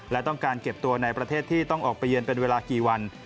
และต้องการเก็บตัวในประเทศที่ต้องออกไปเยือนเป็นเวลากี่วัน